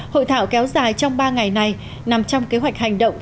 hội thảo kéo dài trong ba ngày này nằm trong kế hoạch hành động